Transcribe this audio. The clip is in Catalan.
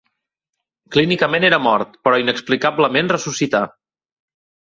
Clínicament era mort, però inexplicablement ressuscità.